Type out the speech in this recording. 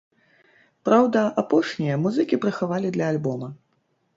Праўда, апошнія музыкі прыхавалі для альбома.